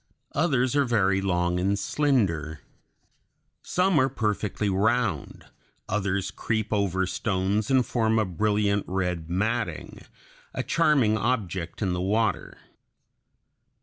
Others are very long and slender (Fig. 17). Some are perfectly round; others creep over stones and form a brilliant red matting, a charming object in the water.